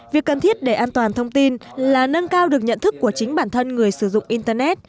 việc cần thiết để an toàn thông tin là nâng cao được nhận thức của chính bản thân người sử dụng internet